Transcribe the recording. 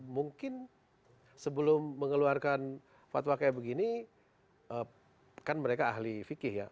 mungkin sebelum mengeluarkan fatwa kayak begini kan mereka ahli fikih ya